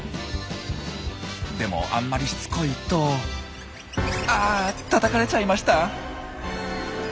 でもあんまりしつこいとあたたかれちゃいました。